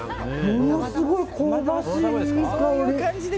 ものすごい香ばしい、いい香り。